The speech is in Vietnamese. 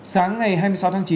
sáng ngày hai mươi sáu tháng chín